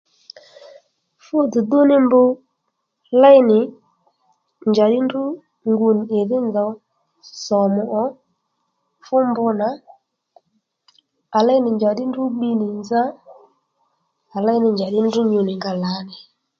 Fú dùdú ní mb léy nì njàddí ndrǔ ngunì ìdhí nzòw sòmù ò fú mb nà à léy nì njàddí ndrǔ bbi nì nza à léy nì njàddí ndrǔ nyu nì nga lǎní